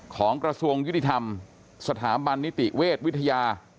กระทรวงยุติธรรมสถาบันนิติเวชวิทยา